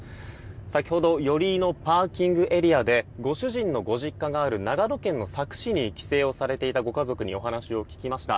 先ほど寄居のパーキングエリアでご主人のご実家がある長野県の佐久市に帰省をされていたご家族にお話を聞きました。